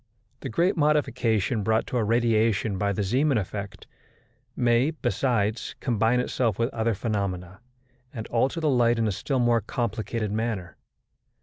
The great modification brought to a radiation by the Zeeman effect may, besides, combine itself with other phenomena, and alter the light in a still more complicated manner.